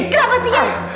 kenapa sih ya